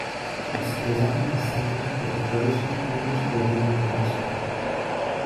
Its design is similar to a traditional English stadium grandstand.